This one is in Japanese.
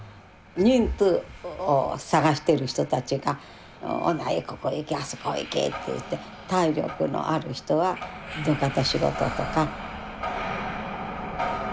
人夫を探してる人たちが「お前ここ行けあそこ行け」って言って体力のある人は土方仕事とか。